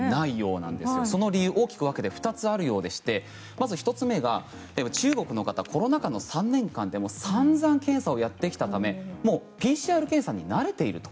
その理由、大きく分けて２つあるようでしてまず１つ目が中国の方、コロナ禍の３年間でさんざん検査をやってきたためもうＰＣＲ検査に慣れていると。